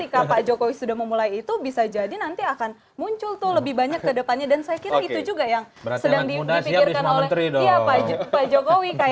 ketika pak jokowi sudah memulai itu bisa jadi nanti akan muncul tuh lebih banyak ke depannya dan saya kira itu juga yang sedang dipikirkan oleh pak jokowi